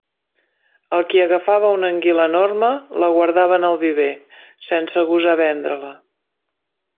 El qui agafava una anguila enorme, la guardava en el viver, sense gosar vendre-la.